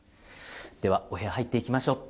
ではお部屋に入っていきましょう。